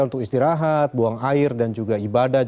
untuk istirahat buang air dan juga ibadah